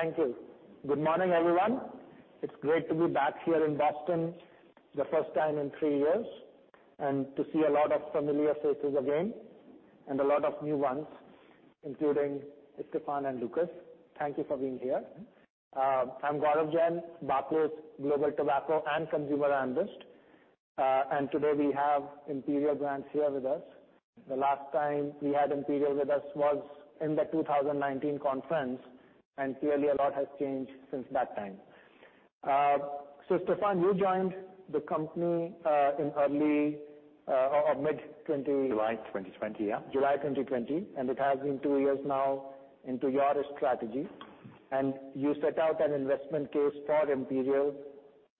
Thank you. Good morning, everyone. It's great to be back here in Boston the first time in three years, and to see a lot of familiar faces again, and a lot of new ones, including Stefan and Lukas. Thank you for being here. I'm Gaurav Jain, Barclays' Global Tobacco and Consumer Analyst. Today we have Imperial Brands here with us. The last time we had Imperial with us was in the 2019 conference, and clearly a lot has changed since that time. Stefan, you joined the company in early or mid- July 2020, yeah. July 2020, and it has been two years now into your strategy. You set out an investment case for Imperial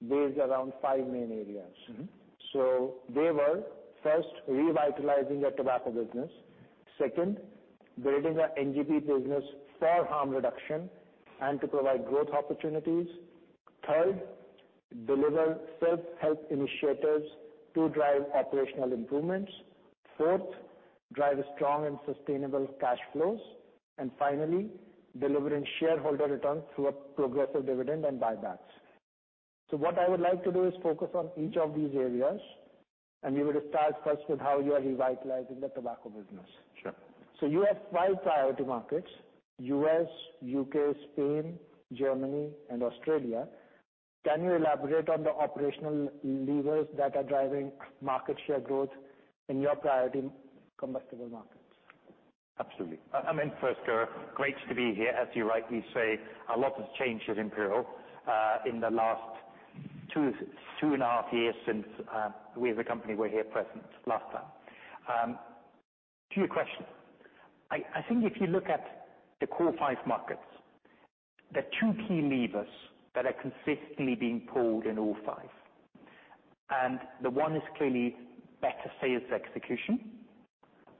based around five main areas. Mm-hmm. They were, first, revitalizing the tobacco business. Second, building a NGP business for harm reduction and to provide growth opportunities. Third, deliver self-help initiatives to drive operational improvements. Fourth, drive strong and sustainable cash flows. Finally, delivering shareholder returns through a progressive dividend and buybacks. What I would like to do is focus on each of these areas, and we will start first with how you are revitalizing the tobacco business. Sure. You have five priority markets, U.S., U.K., Spain, Germany, and Australia. Can you elaborate on the operational levers that are driving market share growth in your priority combustible markets? Absolutely. I mean, first, Gaurav, great to be here. As you rightly say, a lot has changed at Imperial in the last 2.5 years since we as a company were here present last time. To your question, I think if you look at the core five markets, there are two key levers that are consistently being pulled in all five. The one is clearly better sales execution,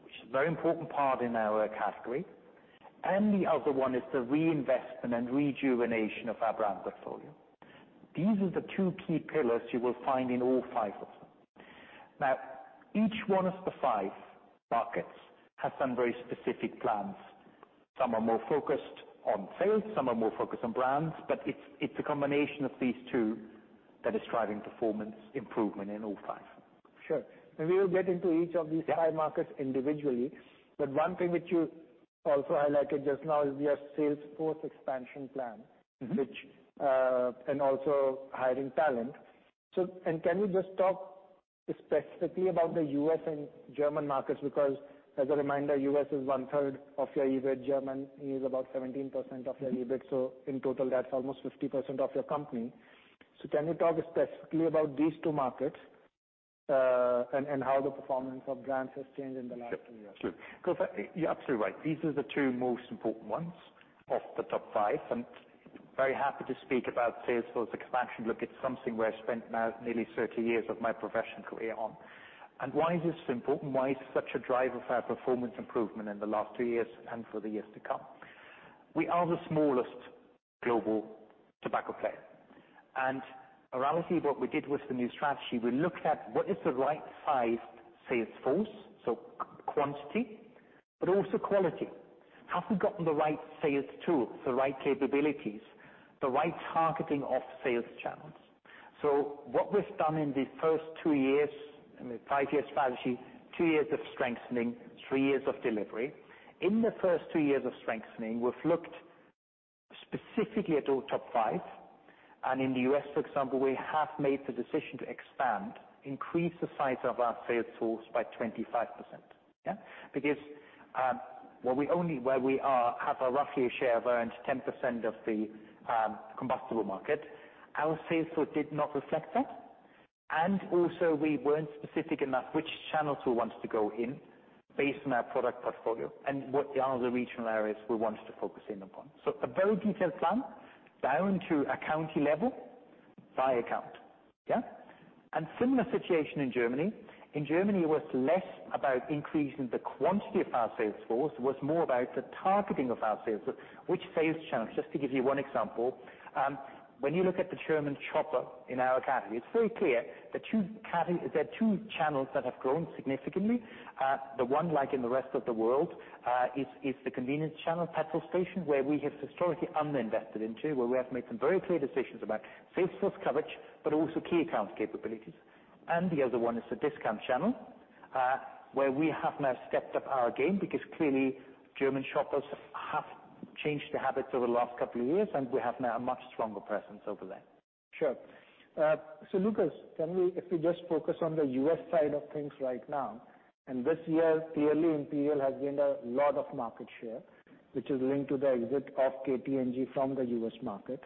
which is a very important part in our category, and the other one is the reinvestment and rejuvenation of our brand portfolio. These are the two key pillars you will find in all five of them. Now, each one of the five markets has some very specific plans. Some are more focused on sales, some are more focused on brands, but it's a combination of these two that is driving performance improvement in all five. Sure. We will get into each of these five markets individually, but one thing which you also highlighted just now is your sales force expansion plan, which, and also hiring talent. Can you just talk specifically about the U.S. and German markets? Because as a reminder, U.S. is 1/3 of your EBIT. German is about 17% of your EBIT, so in total, that's almost 50% of your company. Can you talk specifically about these two markets, and how the performance of brands has changed in the last two years? Sure. You're absolutely right. These are the two most important ones of the top five, and very happy to speak about sales force expansion. Look, it's something where I spent now nearly 30 years of my professional career on. Why is this important? Why is it such a driver for our performance improvement in the last two years and for the years to come? We are the smallest global tobacco player. Around, see what we did with the new strategy, we looked at what is the right sized sales force, so quantity, but also quality. Have we gotten the right sales tools, the right capabilities, the right targeting of sales channels? What we've done in the first two years, in the five-year strategy, two years of strengthening, three years of delivery. In the first two years of strengthening, we've looked specifically at our top five. In the U.S., for example, we have made the decision to expand, increase the size of our sales force by 25%. Because where we are, we have roughly a share of around 10% of the combustible market. Our sales force did not reflect that, and also we weren't specific enough which channels we wanted to go in based on our product portfolio and what are the regional areas we wanted to focus in upon. A very detailed plan down to a county level by account. Similar situation in Germany. In Germany, it was less about increasing the quantity of our sales force. It was more about the targeting of our sales force, which sales channels. Just to give you one example, when you look at the German shopper in our category, it's very clear there are two channels that have grown significantly. The one, like in the rest of the world, is the convenience channel petrol station, where we have historically underinvested into, where we have made some very clear decisions about sales force coverage, but also key account capabilities. The other one is the discount channel, where we have now stepped up our game because clearly German shoppers have changed their habits over the last couple of years, and we have now a much stronger presence over there. Sure. Lukas, if we just focus on the U.S. side of things right now, and this year, clearly Imperial has gained a lot of market share, which is linked to the exit of KT&G from the U.S. market.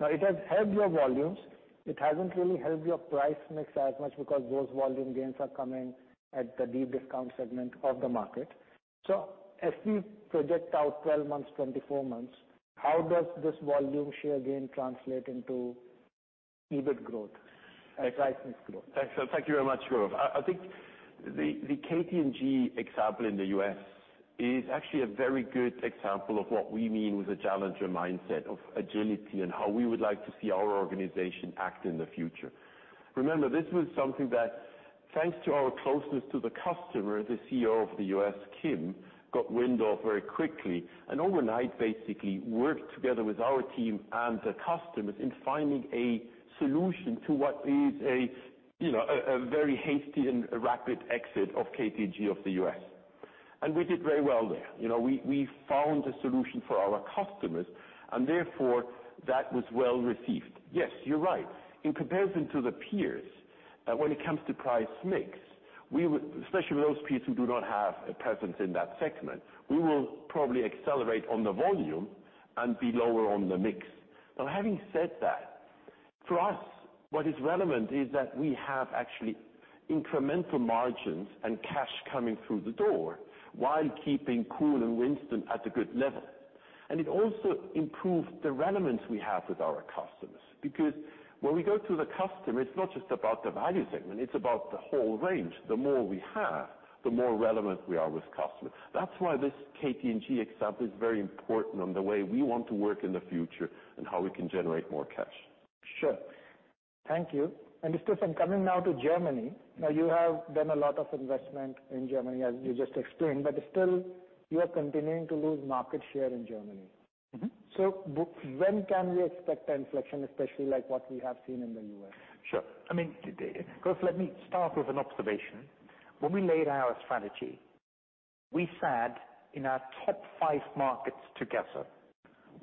Now, it has helped your volumes. It hasn't really helped your price mix as much because those volume gains are coming at the deep discount segment of the market. As we project out 12 months, 24 months, how does this volume share gain translate into EBIT growth and price mix growth? Thanks. Thank you very much, Gaurav. I think the KT&G example in the U.S. is actually a very good example of what we mean with the challenger mindset of agility and how we would like to see our organization act in the future. Remember, this was something that. Thanks to our closeness to the customer, the CEO of the U.S., Kim, got wind of very quickly and overnight basically worked together with our team and the customers in finding a solution to what is, you know, a very hasty and rapid exit of KT&G of the U.S.. We did very well there. You know, we found a solution for our customers, and therefore that was well-received. Yes, you're right. In comparison to the peers, when it comes to price mix, we would. Especially those peers who do not have a presence in that segment. We will probably accelerate on the volume and be lower on the mix. Now, having said that, for us, what is relevant is that we have actually incremental margins and cash coming through the door while keeping Kool and Winston at a good level. It also improved the relevance we have with our customers. Because when we go to the customer, it's not just about the value segment, it's about the whole range. The more we have, the more relevant we are with customers. That's why this KT&G example is very important on the way we want to work in the future and how we can generate more cash. Sure. Thank you. Just, coming now to Germany. Now, you have done a lot of investment in Germany, as you just explained, but still you are continuing to lose market share in Germany. Mm-hmm. When can we expect an inflection, especially like what we have seen in the U.S.? Sure. I mean, Gaurav Jain, let me start with an observation. When we laid our strategy, we said in our top five markets together,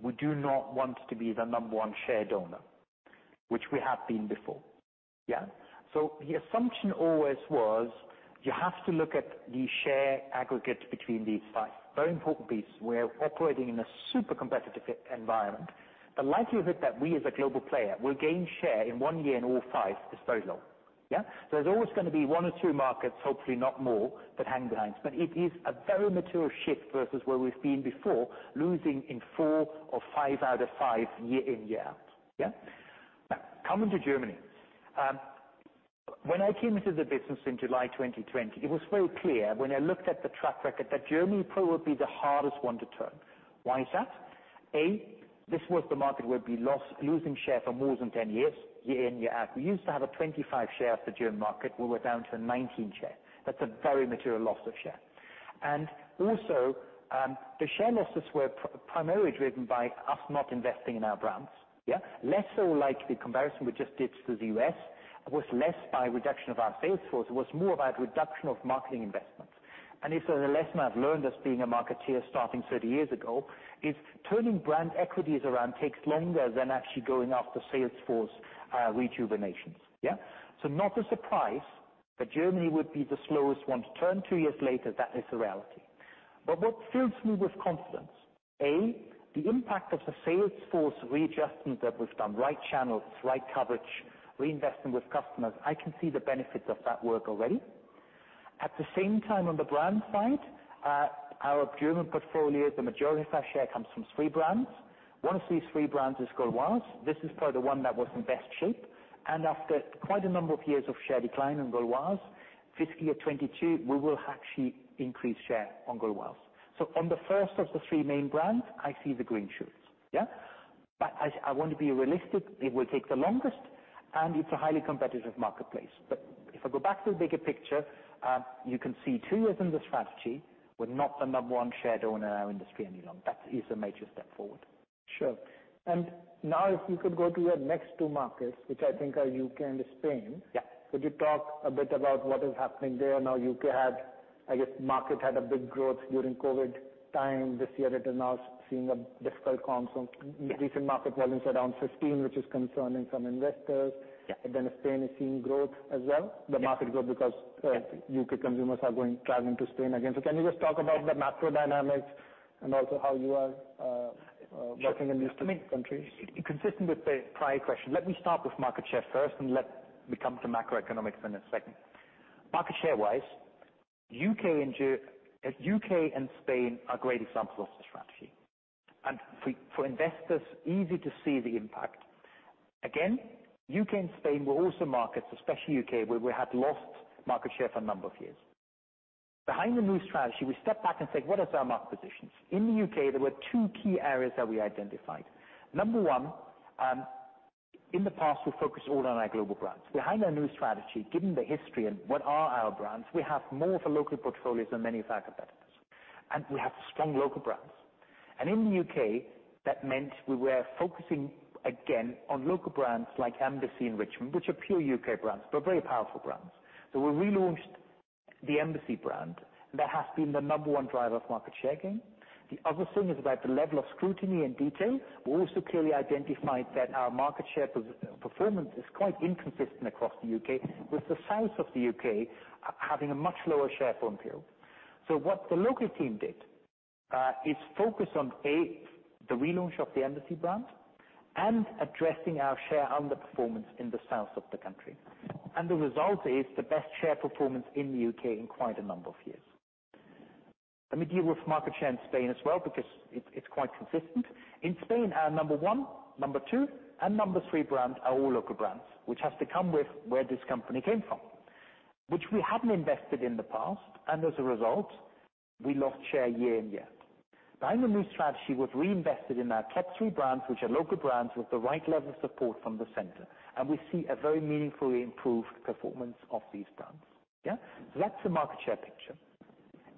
we do not want to be the number one share owner, which we have been before. Yeah? The assumption always was you have to look at the share aggregate between these five. Very important piece. We're operating in a super competitive environment. The likelihood that we as a global player will gain share in one year in all five is very low, yeah? There's always gonna be one or two markets, hopefully not more, that hang behind. It is a very mature shift versus where we've been before, losing in four or five out of five year in, year out, yeah? Now, coming to Germany. When I came into the business in July 2020, it was very clear when I looked at the track record that Germany probably would be the hardest one to turn. Why is that? A, this was the market where we lost share for more than 10 years, year in, year out. We used to have a 25% share of the German market. We were down to a 19% share. That's a very material loss of share. Also, the share losses were primarily driven by us not investing in our brands, yeah? Less so like the comparison we just did to the U.S., was less by reduction of our sales force, it was more about reduction of marketing investments. If there's a lesson I've learned as being a marketer starting 30 years ago, is turning brand equities around takes longer than actually going after sales force rejuvenations. Yeah? Not a surprise that Germany would be the slowest one to turn. Two years later, that is a reality. What fills me with confidence, A, the impact of the sales force readjustment that we've done, right channels, right coverage, reinvesting with customers. I can see the benefits of that work already. At the same time on the brand side, our German portfolio, the majority of our share comes from three brands. One of these three brands is Gauloises. This is probably the one that was in best shape. After quite a number of years of share decline in Gauloises, fiscal year 2022, we will actually increase share on Gauloises. On the first of the three main brands, I see the green shoots, yeah? I want to be realistic. It will take the longest, and it's a highly competitive marketplace. If I go back to the bigger picture, you can see two years into strategy, we're not the number one share owner in our industry any longer. That is a major step forward. Sure. Now if you could go to your next two markets, which I think are U.K. and Spain. Yeah. Could you talk a bit about what is happening there? Now, the U.K. market had a big growth during COVID time this year, I guess. It is now seeing a difficult comp. Recent market volumes are down 15%, which is concerning some investors. Yeah. Spain is seeing growth as well. The market grew because U.K. consumers are going, traveling to Spain again. Can you just talk about the macro dynamics and also how you are working in these two countries? Consistent with the prior question, let me start with market share first, and let me come to macroeconomics in a second. Market share-wise, U.K. and Spain are great examples of the strategy. For investors, easy to see the impact. Again, U.K. and Spain were also markets, especially U.K., where we had lost market share for a number of years. Behind the new strategy, we stepped back and said, "What is our market positions?" In the U.K., there were two key areas that we identified. Number one, in the past, we focused all on our global brands. Behind our new strategy, given the history and what are our brands, we have more of a local portfolio than many of our competitors, and we have strong local brands. In the U.K., that meant we were focusing again on local brands like Embassy and Richmond, which are pure U.K. brands, but very powerful brands. We relaunched the Embassy brand. That has been the number one driver of market share gain. The other thing is about the level of scrutiny and detail. We also clearly identified that our market share position performance is quite inconsistent across the U.K., with the south of the U.K. having a much lower share for Imperial. What the local team did is focus on, A, the relaunch of the Embassy brand and addressing our share underperformance in the south of the country. The result is the best share performance in the U.K. in quite a number of years. Let me deal with market share in Spain as well because it’s quite consistent. In Spain, our number one, number two, and number three brand are all local brands, which has to come with where this company came from, which we hadn't invested in the past. As a result, we lost share year in, year out. Behind the new strategy was reinvested in our category brands, which are local brands with the right level of support from the center, and we see a very meaningfully improved performance of these brands. Yeah. So that's the market share picture.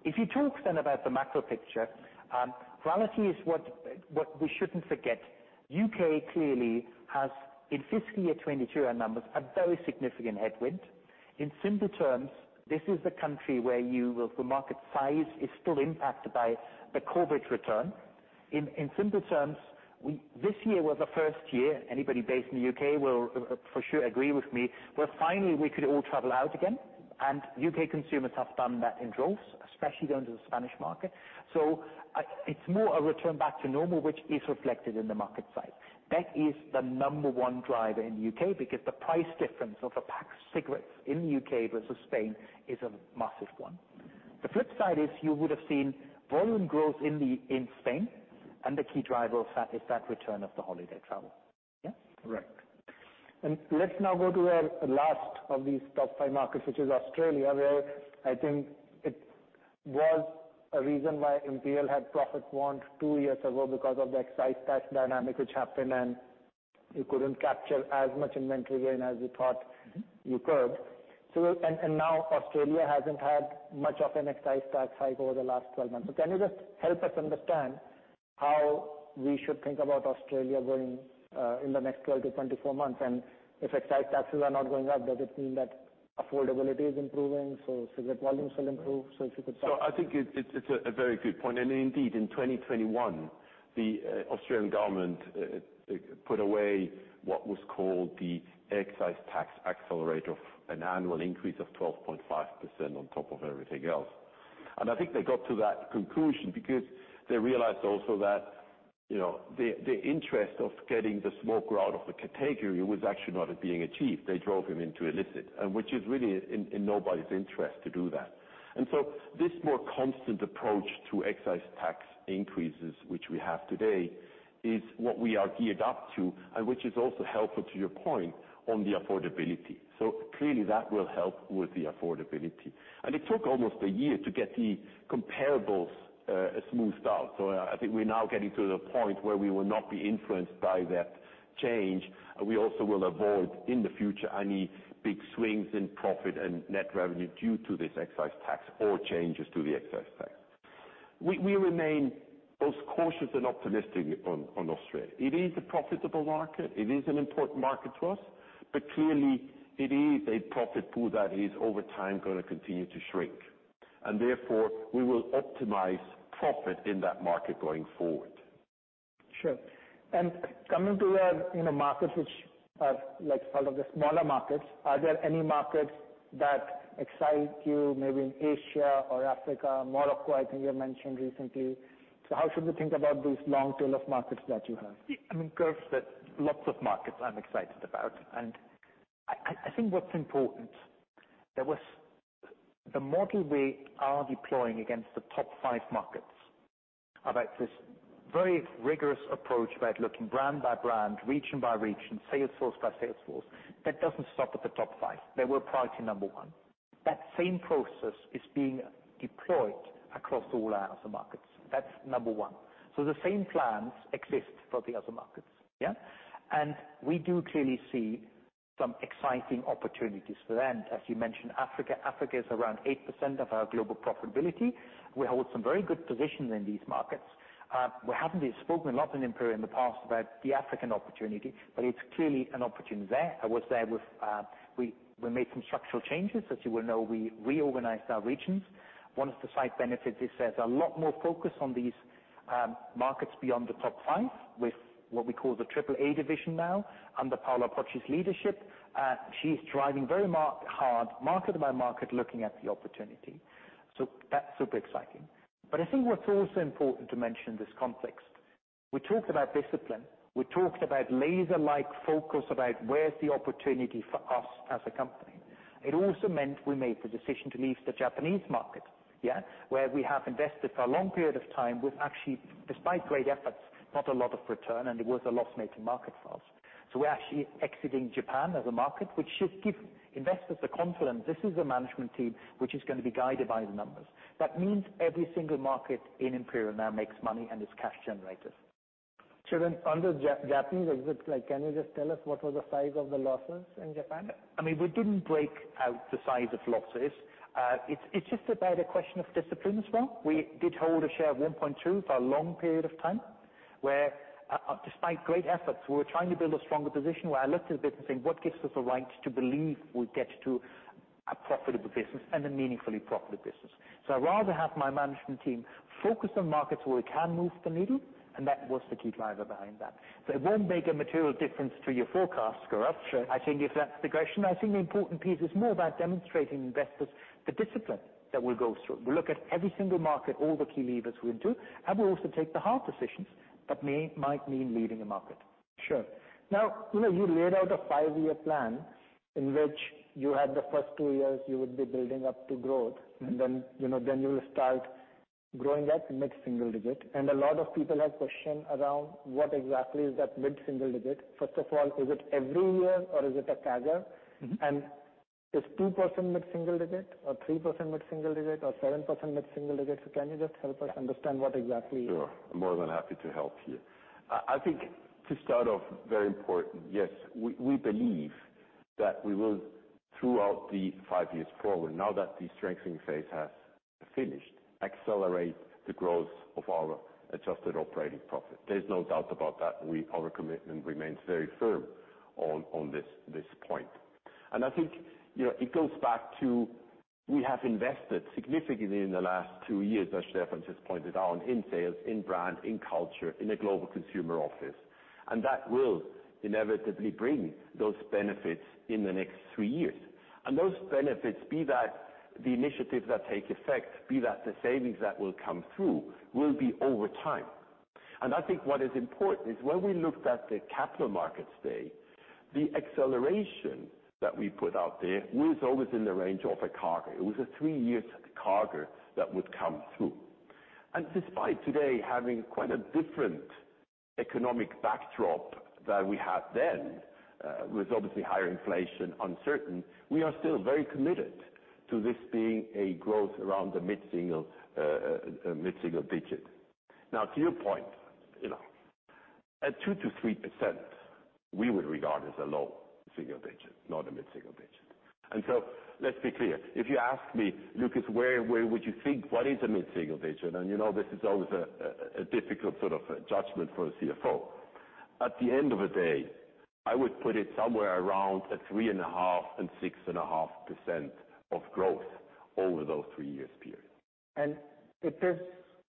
If you talk then about the macro picture, reality is what we shouldn't forget, U.K. clearly has, in fiscal year 2022 numbers, a very significant headwind. In simple terms, this is the country. The market size is still impacted by the COVID return. In simple terms, this year was the first year anybody based in the U.K. will for sure agree with me, where finally we could all travel out again, and U.K. consumers have done that in droves, especially down to the Spanish market. It's more a return back to normal, which is reflected in the market size. That is the number one driver in the U.K. because the price difference of a pack of cigarettes in the U.K. versus Spain is a massive one. The flip side is you would have seen volume growth in Spain, and the key driver of that is that return of the holiday travel. Correct. Let's now go to our last of these top five markets, which is Australia, where I think it was a reason why Imperial had profit warned two years ago because of the excise tax dynamic which happened, and you couldn't capture as much inventory gain as you thought you could. Now Australia hasn't had much of an excise tax hike over the last 12 months. Can you just help us understand how we should think about Australia going in the next 12 months-24 months? If excise taxes are not going up, does it mean that affordability is improving, so cigarette volumes will improve? If you could talk- I think it's a very good point. Indeed, in 2021, the Australian government put away what was called the excise tax escalator, an annual increase of 12.5% on top of everything else. I think they got to that conclusion because they realized also that, you know, the interest of getting the smoker out of the category was actually not being achieved. They drove him into illicit, and which is really in nobody's interest to do that. This more constant approach to excise tax increases, which we have today, is what we are geared up to and which is also helpful to your point on the affordability. Clearly that will help with the affordability. It took almost a year to get the comparables smoothed out. I think we're now getting to the point where we will not be influenced by that change. We also will avoid, in the future, any big swings in profit and net revenue due to this excise tax or changes to the excise tax. We remain both cautious and optimistic on Australia. It is a profitable market. It is an important market to us, but clearly it is a profit pool that is over time gonna continue to shrink, and therefore we will optimize profit in that market going forward. Sure. Coming to the, you know, markets which are like part of the smaller markets, are there any markets that excite you maybe in Asia or Africa? Morocco, I think you mentioned recently. How should we think about these long tail of markets that you have? I mean, Gaurav, there are lots of markets I'm excited about. I think what's important. The model we are deploying against the top five markets about this very rigorous approach about looking brand by brand, region by region, sales force by sales force, that doesn't stop at the top five. They were priority number one. That same process is being deployed across all our other markets. That's number one. The same plans exist for the other markets. Yeah. We do clearly see some exciting opportunities for that. As you mentioned, Africa. Africa is around 8% of our global profitability. We hold some very good positions in these markets. We haven't spoken a lot in Imperial in the past about the African opportunity, but it's clearly an opportunity there. I was there with. We made some structural changes. As you will know, we reorganized our regions. One of the side benefits is there's a lot more focus on these markets beyond the top five with what we call the AAA division now under Paola Pocci's leadership. She's driving very hard, market by market, looking at the opportunity. That's super exciting. I think what's also important to mention in this context, we talked about discipline. We talked about laser-like focus about where's the opportunity for us as a company. It also meant we made the decision to leave the Japanese market, yeah, where we have invested for a long period of time with actually, despite great efforts, not a lot of return, and it was a loss-making market for us. We're actually exiting Japan as a market, which should give investors the confidence this is a management team which is gonna be guided by the numbers. That means every single market in Imperial now makes money and is cash generators. Sure, on the Japanese, is it like? Can you just tell us what was the size of the losses in Japan? I mean, we didn't break out the size of losses. It's just about a question of discipline as well. We did hold a share of 1.2% for a long period of time, where despite great efforts, we were trying to build a stronger position where I looked at the business saying, "What gives us the right to believe we'll get to a profitable business and a meaningfully profitable business?" I'd rather have my management team focus on markets where we can move the needle, and that was the key driver behind that. It won't make a material difference to your forecast, Gaurav. Sure. I think if that's the question. I think the important piece is more about demonstrating to investors the discipline that we'll go through. We'll look at every single market, all the key levers we do, and we'll also take the hard decisions that may, might mean leaving the market. Sure. Now, you know, you laid out a five-year plan in which you had the first two years you would be building up to growth, and then, you know, then you'll start growing at mid-single digit. A lot of people have questioned around what exactly is that mid-single digit. First of all, is it every year or is it a CAGR? Mm-hmm. Is 2% mid-single digit or 3% mid-single digit or 7% mid-single digit? Can you just help us understand what exactly- Sure. I'm more than happy to help here. I think to start off very important, yes, we believe that we will, throughout the five years forward, now that the strengthening phase has finished, accelerate the growth of our adjusted operating profit. There's no doubt about that. Our commitment remains very firm on this point. I think, you know, it goes back to we have invested significantly in the last two years, as Stefan just pointed out, in sales, in brand, in culture, in a global consumer office, and that will inevitably bring those benefits in the next three years. Those benefits, be that the initiatives that take effect, be that the savings that will come through, will be over time. I think what is important is when we looked at the Capital Markets Day, the acceleration that we put out there was always in the range of a CAGR. It was a three-year CAGR that would come through. Despite today having quite a different economic backdrop that we had then, with obviously higher inflation uncertain, we are still very committed to this being a growth around the mid-single digit. Now, to your point, you know, at 2%-3% we would regard as a low single digit, not a mid-single digit. Let's be clear. If you ask me, "Lukas, where would you think what is a mid-single digit?" You know this is always a difficult sort of judgment for a CFO. At the end of the day, I would put it somewhere around 3.5%-6.5% of growth over those three years period. It is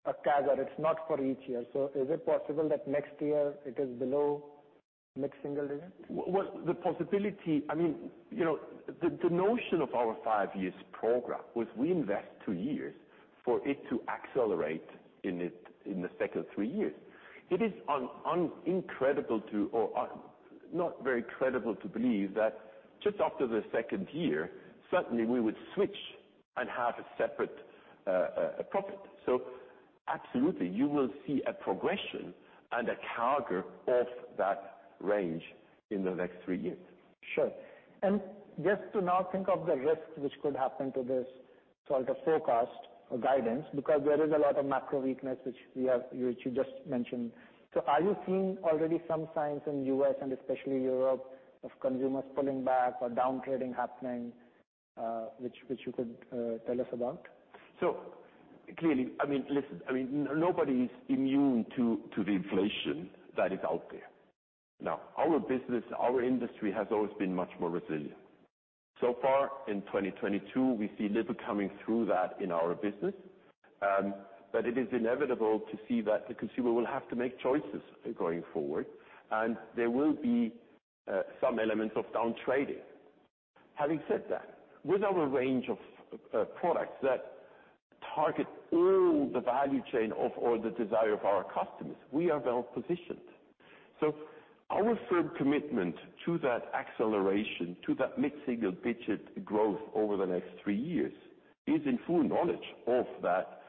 a CAGR, it's not for each year. Is it possible that next year it is below mid-single digit? Well, the possibility I mean, you know, the notion of our five-year program was we invest two years for it to accelerate in it in the second three years. It is incredible to, or not very credible to believe that just after the second year, suddenly we would switch and have a separate profit. Absolutely, you will see a progression and a CAGR of that range in the next three years. Sure. Just to now think of the risks which could happen to this sort of forecast or guidance, because there is a lot of macro weakness which we have, which you just mentioned. Are you seeing already some signs in U.S. and especially Europe of consumers pulling back or downtrading happening, which you could tell us about? Clearly, I mean, listen, I mean, nobody's immune to the inflation that is out there. Now, our business, our industry has always been much more resilient. Far in 2022, we see little coming through that in our business. But it is inevitable to see that the consumer will have to make choices going forward, and there will be some elements of down trading. Having said that, with our range of products that target all the value chain of all the desire of our customers, we are well positioned. Our firm commitment to that acceleration, to that mid-single digit growth over the next three years is in full knowledge of that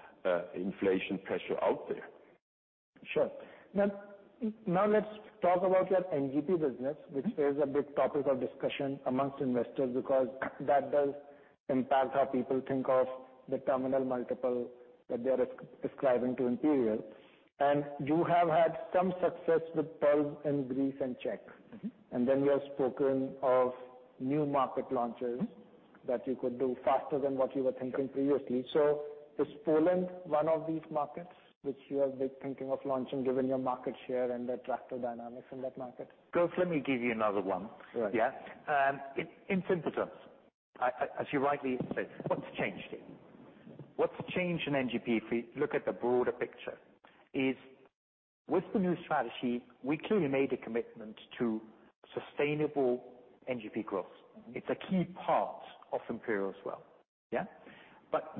inflation pressure out there. Sure. Now let's talk about your NGP business, which is a big topic of discussion among investors because that does impact how people think of the terminal multiple that they're ascribing to Imperial. You have had some success with Pulze in Greece and Czech. Mm-hmm. You have spoken of new market launches that you could do faster than what you were thinking previously. Is Poland one of these markets which you are big thinking of launching given your market share and the attractive dynamics in that market? Gaurav Jain, let me give you another one. Right. Yeah. In simple terms, as you rightly said, what's changed here? What's changed in NGP, if we look at the broader picture, is with the new strategy, we clearly made a commitment to sustainable NGP growth. It's a key part of Imperial as well. Yeah?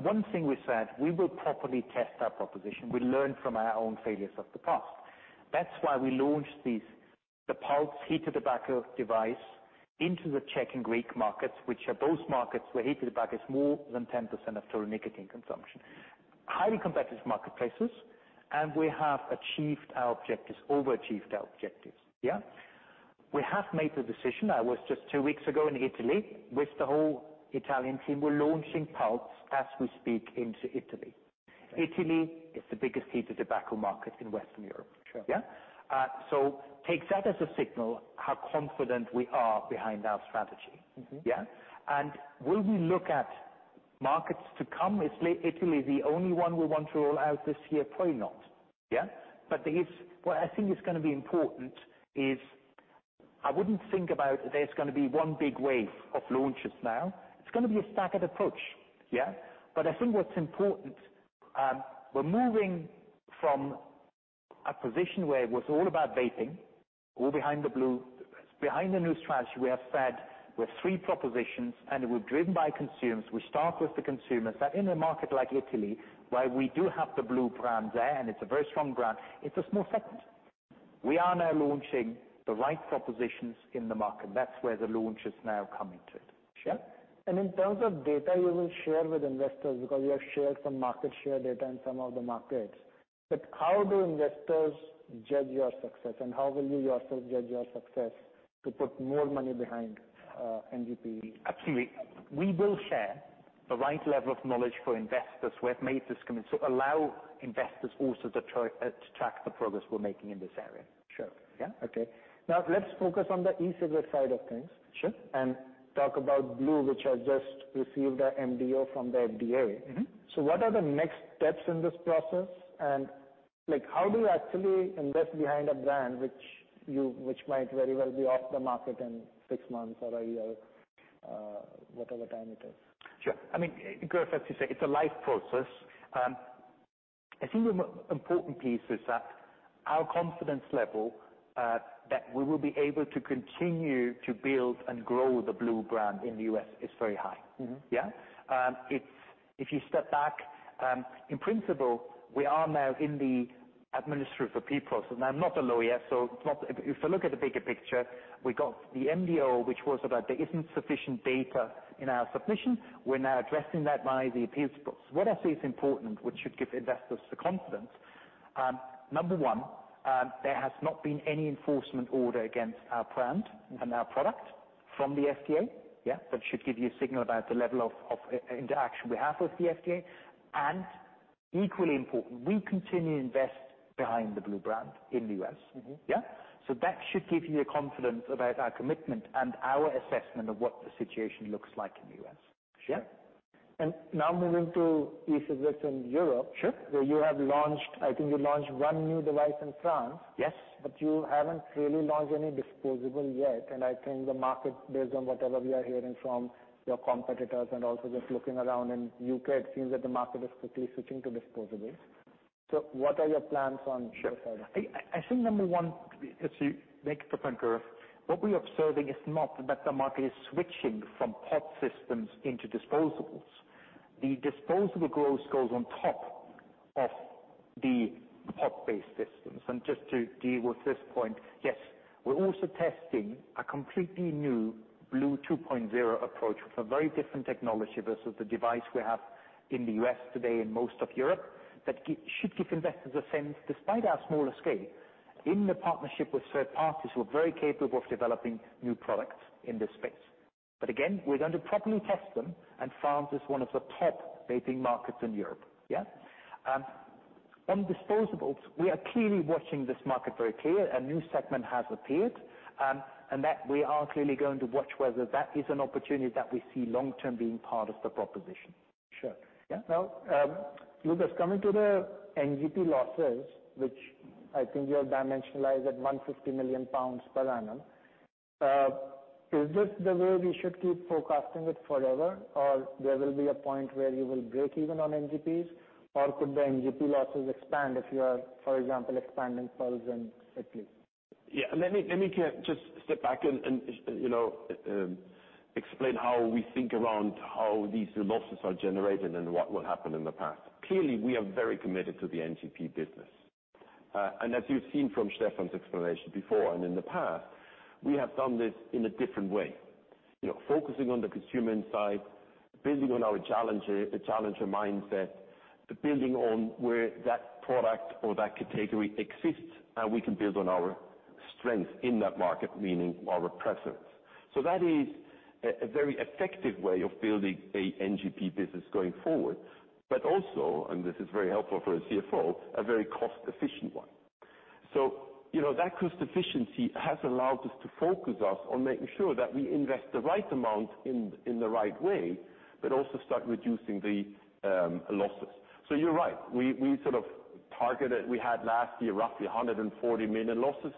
One thing we said, we will properly test our proposition. We learn from our own failures of the past. That's why we launched the Pulze heated tobacco device into the Czech and Greek markets, which are both markets where heated tobacco is more than 10% of total nicotine consumption. Highly competitive marketplaces, and we have achieved our objectives, overachieved our objectives. Yeah? We have made the decision. I was just two weeks ago in Italy with the whole Italian team. We're launching Pulze as we speak into Italy. Italy is the biggest heated tobacco market in Western Europe. Sure. Yeah? Take that as a signal how confident we are behind our strategy. Mm-hmm. Yeah? Will we look at markets to come? Is Italy the only one we want to roll out this year? Probably not. Yeah? It's what I think is gonna be important is I wouldn't think about there's gonna be one big wave of launches now. It's gonna be a staggered approach. Yeah? I think what's important, we're moving from a position where it was all about vaping, all behind the blu. Behind the new strategy we have said with three propositions, and we're driven by consumers. We start with the consumers that in a market like Italy, while we do have the blu brand there, and it's a very strong brand, it's a small segment. We are now launching the right propositions in the market. That's where the launch is now coming to it. Sure. In terms of data you will share with investors, because you have shared some market share data in some of the markets. How do investors judge your success, and how will you yourself judge your success to put more money behind, NGP? Absolutely. We will share the right level of knowledge for investors who have made this commitment, so allow investors also to track the progress we're making in this area. Sure. Yeah. Okay. Now let's focus on the e-cigarette side of things. Sure talk about blu, which has just received a MDO from the FDA. Mm-hmm. What are the next steps in this process? Like, how do you actually invest behind a brand which might very well be off the market in six months or a year, whatever time it is? Sure. I mean, Gaurav, as you say, it's a life process. I think the most important piece is that our confidence level that we will be able to continue to build and grow the blu brand in the U.S. is very high. Mm-hmm. Yeah. If you step back, in principle, we are now in the administrative appeal process. Now, I'm not a lawyer. If you look at the bigger picture, we got the MDO, which was about there isn't sufficient data in our submission. We're now addressing that via the appeals process. What I say is important, which should give investors the confidence, number one, there has not been any enforcement order against our brand and our product from the FDA, yeah. That should give you a signal about the level of interaction we have with the FDA. Equally important, we continue to invest behind the blu brand in the U.S., yeah. That should give you a confidence about our commitment and our assessment of what the situation looks like in the U.S. Sure. Yeah. Now moving to e-cigarettes in Europe. Sure where you have launched. I think you launched one new device in France. Yes. You haven't really launched any disposable yet, and I think the market, based on whatever we are hearing from your competitors and also just looking around in U.K., it seems that the market is quickly switching to disposables. What are your plans on that side? I think number one, as you make the point, Gaurav Jain, what we're observing is not that the market is switching from pod systems into disposables. The disposable growth goes on top of the pod-based systems. Just to deal with this point, yes, we're also testing a completely new blu 2.0 approach with a very different technology versus the device we have in the U.S. today and most of Europe. That should give investors a sense, despite our smaller scale, in the partnership with third parties, we're very capable of developing new products in this space. Again, we're going to properly test them, and France is one of the top vaping markets in Europe, yeah. On disposables, we are clearly watching this market very clear. A new segment has appeared, and that we are clearly going to watch whether that is an opportunity that we see long-term being part of the proposition. Sure. Yeah. Now, Lukas, coming to the NGP losses, which I think you have dimensionalized at 150 million pounds per annum, is this the way we should keep forecasting it forever, or there will be a point where you will break even on NGPs, or could the NGP losses expand if you are, for example, expanding Pulze in Italy? Yeah. Let me just step back and, you know, explain how we think around how these losses are generated and what happened in the past. Clearly, we are very committed to the NGP business. As you've seen from Stefan's explanation before and in the past, we have done this in a different way. You know, focusing on the consumer insight, building on our challenger, the challenger mindset, building on where that product or that category exists, and we can build on our strength in that market, meaning our presence. That is a very effective way of building a NGP business going forward. Also, and this is very helpful for a CFO, a very cost-efficient one. You know, that cost efficiency has allowed us to focus us on making sure that we invest the right amount in the right way, but also start reducing the losses. You're right. We sort of targeted. We had last year roughly 140 million losses.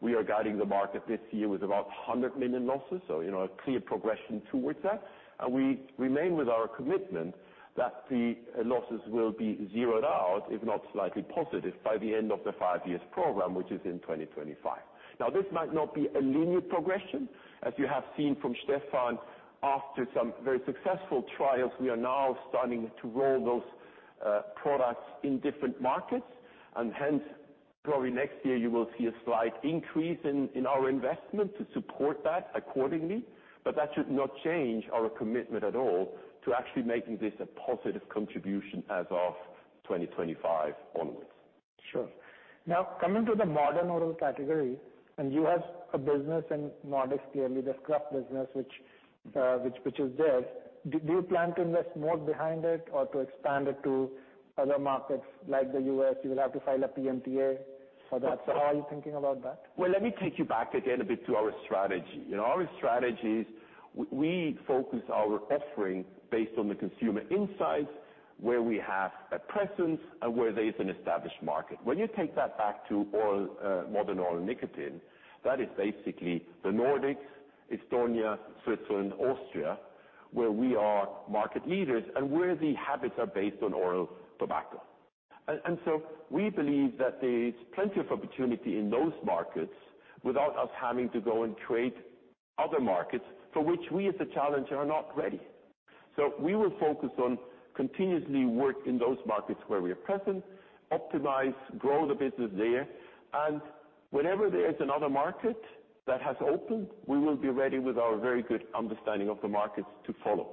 We are guiding the market this year with about 100 million losses, so, you know, a clear progression towards that. We remain with our commitment that the losses will be zeroed out, if not slightly positive, by the end of the five years program, which is in 2025. Now, this might not be a linear progression. As you have seen from Stefan, after some very successful trials, we are now starting to roll those products in different markets. Hence, probably next year you will see a slight increase in our investment to support that accordingly. That should not change our commitment at all to actually making this a positive contribution as of 2025 onwards. Sure. Now, coming to the modern oral category, and you have a business in modern oral, clearly the Skruf business, which is there. Do you plan to invest more behind it or to expand it to other markets like the U.S.? You will have to file a PMTA for that. How are you thinking about that? Well, let me take you back again a bit to our strategy. You know, our strategy is we focus our offering based on the consumer insights where we have a presence and where there is an established market. When you take that back to oral, modern oral nicotine, that is basically the Nordics, Estonia, Switzerland, Austria, where we are market leaders and where the habits are based on oral tobacco. We believe that there is plenty of opportunity in those markets without us having to go and create other markets for which we as a challenger are not ready. We will focus on continuously work in those markets where we are present, optimize, grow the business there, and whenever there is another market that has opened, we will be ready with our very good understanding of the markets to follow.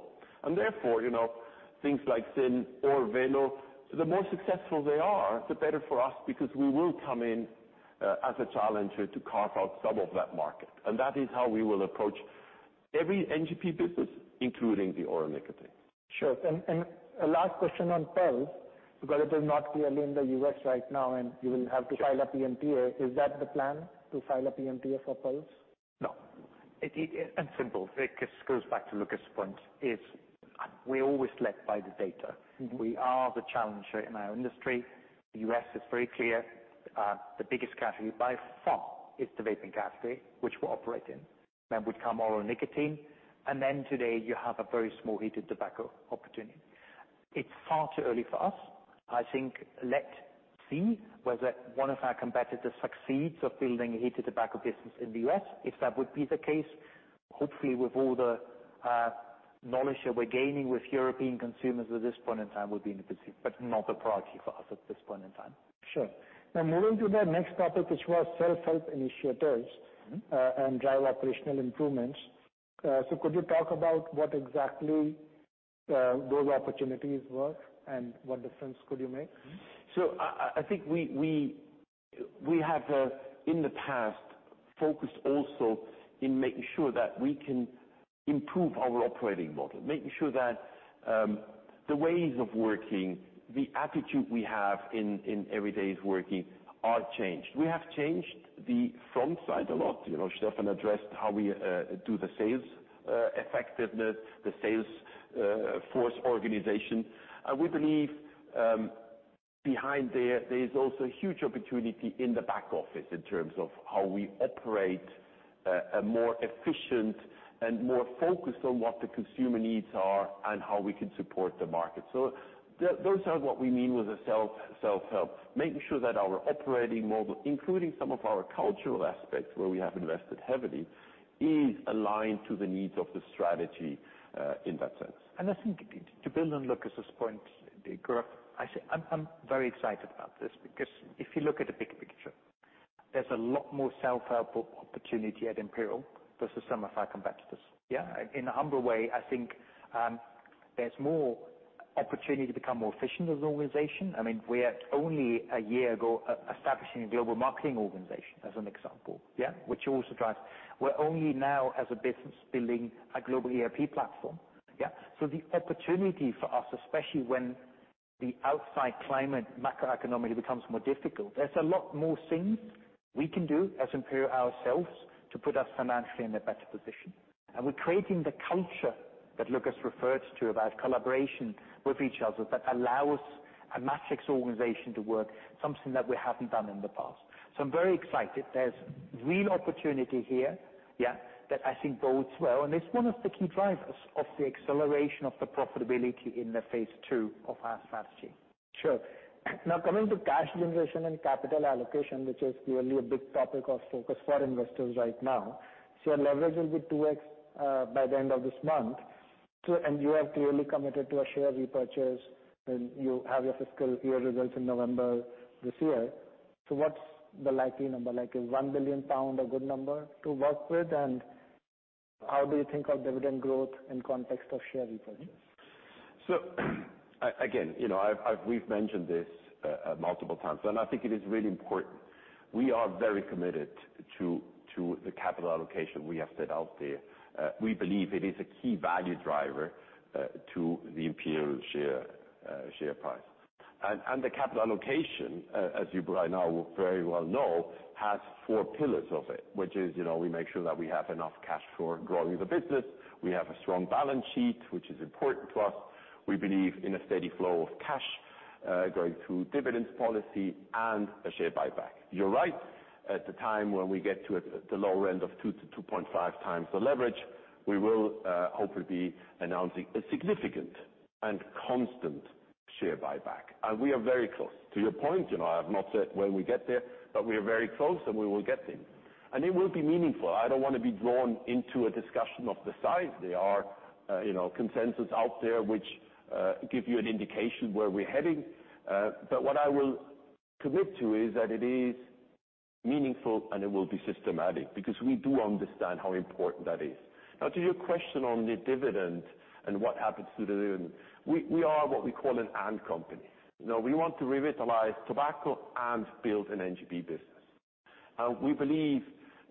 Therefore, you know, things like ZYN or VELO, the more successful they are, the better for us, because we will come in, as a challenger to carve out some of that market. That is how we will approach every NGP business, including the oral nicotine. Sure. A last question on Pulze, because it is not clearly in the U.S. right now, and you will have to file a PMTA. Is that the plan, to file a PMTA for Pulze? No. It's simple. It just goes back to Lukas' point. We're always led by the data. Mm-hmm. We are the challenger in our industry. The U.S. is very clear. The biggest category by far is the vaping category, which we operate in. Then would come oral nicotine, and then today you have a very small heated tobacco opportunity. It's far too early for us. I think let's see whether one of our competitors succeeds in building a heated tobacco business in the U.S.. If that would be the case, hopefully with all the knowledge that we're gaining with European consumers at this point in time, would be in the picture, but not a priority for us at this point in time. Sure. Now moving to the next topic, which was self-help initiatives and drive operational improvements. Could you talk about what exactly those opportunities were and what difference could you make? I think we have in the past focused also in making sure that we can improve our operating model, making sure that the ways of working, the attitude we have in every day's working are changed. We have changed the front side a lot. You know, Stefan addressed how we do the sales effectiveness, the sales force organization. We believe behind there is also huge opportunity in the back office in terms of how we operate a more efficient and more focused on what the consumer needs are and how we can support the market. Those are what we mean with the self-help, making sure that our operating model, including some of our cultural aspects, where we have invested heavily, is aligned to the needs of the strategy in that sense. I think to build on Lukas' point, Gaurav, I'm very excited about this because if you look at the big picture, there's a lot more self-help opportunity at Imperial versus some of our competitors, yeah? In a humble way, I think, there's more opportunity to become more efficient as an organization. I mean, we are only a year ago establishing a global marketing organization, as an example, yeah? Which also drives. We're only now as a business building a global ERP platform, yeah? So the opportunity for us, especially when the outside climate macroeconomically becomes more difficult, there's a lot more things we can do as Imperial ourselves to put us financially in a better position. We're creating the culture that Lukas refers to about collaboration with each other that allows a matrix organization to work, something that we haven't done in the past. I'm very excited. There's real opportunity here, yeah, that I think bodes well, and it's one of the key drivers of the acceleration of the profitability in the phase two of our strategy. Sure. Now coming to cash generation and capital allocation, which is clearly a big topic of focus for investors right now. Your leverage will be 2x by the end of this month. You have clearly committed to a share repurchase, and you have your fiscal year results in November this year. What's the likely number? Like is 1 billion pound a good number to work with? And how do you think of dividend growth in context of share repurchases? Again, you know, we've mentioned this multiple times, and I think it is really important. We are very committed to the capital allocation we have set out there. We believe it is a key value driver to the Imperial share price. The capital allocation, as you by now very well know, has four pillars of it, which is, you know, we make sure that we have enough cash for growing the business. We have a strong balance sheet, which is important to us. We believe in a steady flow of cash going through dividend policy and a share buyback. You're right. At the time when we get to the lower end of 2x-2.5x the leverage, we will hopefully be announcing a significant and constant share buyback. We are very close. To your point, you know, I have not said when we get there, but we are very close, and we will get there, and it will be meaningful. I don't wanna be drawn into a discussion of the size. There are, you know, consensus out there which give you an indication where we're heading. But what I will commit to is that it is meaningful, and it will be systematic, because we do understand how important that is. Now to your question on the dividend and what happens to the dividend, we are what we call an and company. You know, we want to revitalize tobacco and build an NGP business. We believe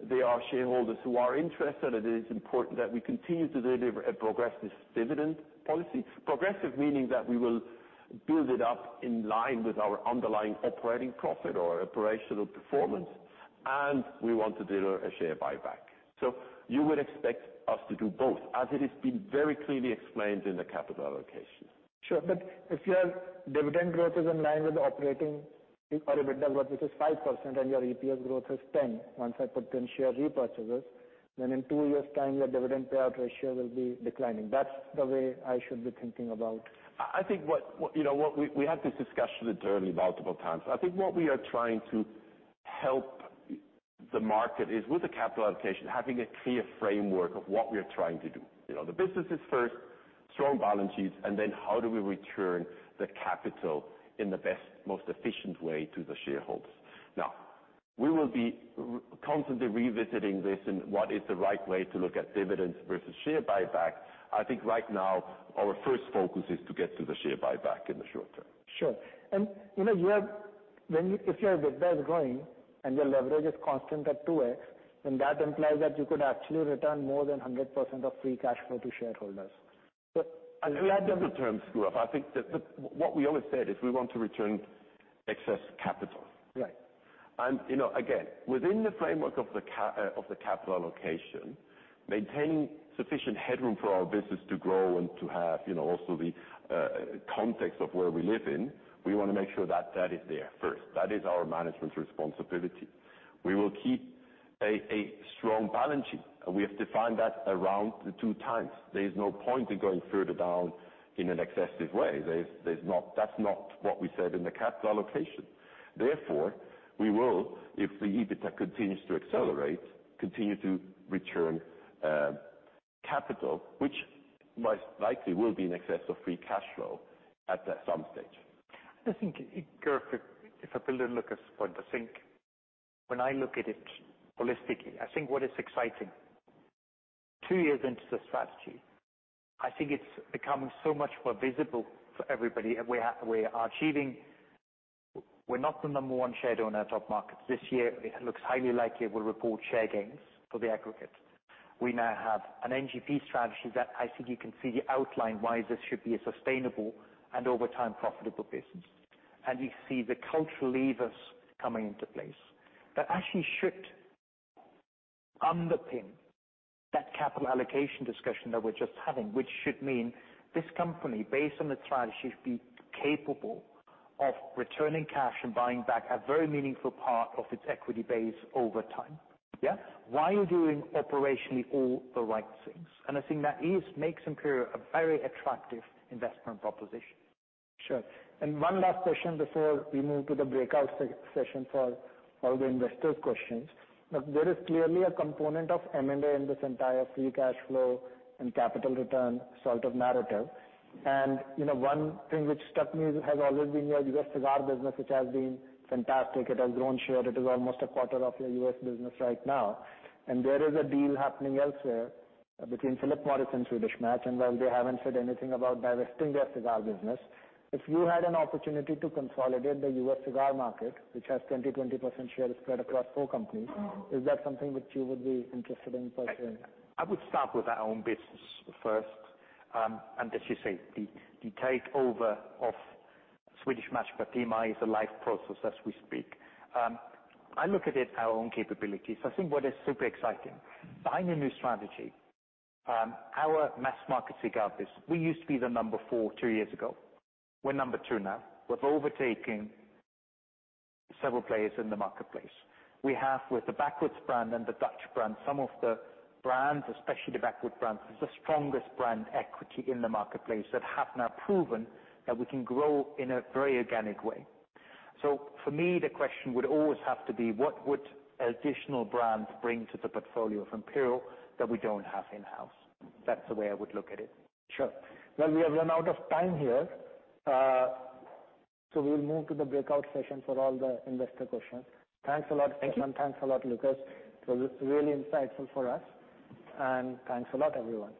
there are shareholders who are interested, and it is important that we continue to deliver a progressive dividend policy. Progressive meaning that we will build it up in line with our underlying operating profit or operational performance, and we want to deliver a share buyback. You would expect us to do both, as it has been very clearly explained in the capital allocation. Sure. If your dividend growth is in line with operating or EBITDA, which is 5%, and your EPS growth is 10, once I put in share repurchases, then in two years' time, your dividend payout ratio will be declining. That's the way I should be thinking about. I think what we had this discussion internally multiple times. I think what we are trying to help the market is with the capital allocation, having a clear framework of what we are trying to do. You know, the business is first, strong balance sheets, and then how do we return the capital in the best, most efficient way to the shareholders. Now, we will be constantly revisiting this and what is the right way to look at dividends versus share buyback. I think right now, our first focus is to get to the share buyback in the short term. Sure. You know, if your EBITDA is growing and your leverage is constant at 2x, then that implies that you could actually return more than 100% of free cash flow to shareholders. We had different terms screw up. I think that what we always said is we want to return excess capital. Right. You know, again, within the framework of the capital allocation, maintaining sufficient headroom for our business to grow and to have, you know, also the context of where we live in, we wanna make sure that is there first. That is our management responsibility. We will keep a strong balance sheet, and we have defined that around the 2x. There is no point in going further down in an excessive way. That's not what we said in the capital allocation. Therefore, we will, if the EBITDA continues to accelerate, continue to return capital, which most likely will be in excess of free cash flow at some stage. I think, Gaurav, if I build on Lukas' point, I think when I look at it holistically, I think what is exciting two years into the strategy, I think it's becoming so much more visible for everybody, and we are achieving. We're not the number one shareholder of top markets. This year, it looks highly likely we'll report share gains for the aggregate. We now have an NGP strategy that I think you can see the outline why this should be a sustainable and over time profitable business. You see the cultural levers coming into place. That actually should underpin that capital allocation discussion that we're just having, which should mean this company, based on the strategy, should be capable of returning cash and buying back a very meaningful part of its equity base over time. Yeah. While doing operationally all the right things. I think that makes Imperial a very attractive investment proposition. Sure. One last question before we move to the breakout session for all the investors' questions. There is clearly a component of M&A in this entire free cash flow and capital return sort of narrative. You know, one thing which has always struck me is your U.S. cigar business, which has been fantastic. It has grown share. It is almost a quarter of your U.S. business right now. There is a deal happening elsewhere between Philip Morris and Swedish Match. While they haven't said anything about divesting their cigar business, if you had an opportunity to consolidate the U.S. cigar market, which has 20%-20% share spread across four companies, is that something which you would be interested in pursuing? I would start with our own business first. As you say, the takeover of Swedish Match by PMI is a live process as we speak. I look at it our own capabilities. I think what is super exciting, behind the new strategy, our mass market cigar business, we used to be the number four two years ago. We're number two now. We're overtaking several players in the marketplace. We have with the Backwoods brand and the Dutch Masters brand, some of the brands, especially the Backwoods brands, is the strongest brand equity in the marketplace that have now proven that we can grow in a very organic way. For me, the question would always have to be what would additional brands bring to the portfolio of Imperial that we don't have in-house? That's the way I would look at it. Sure. Well, we have run out of time here, so we'll move to the breakout session for all the investor questions. Thanks a lot, Stefan Bomhard. Thank you. Thanks a lot, Lukas. This is really insightful for us. Thanks a lot, everyone.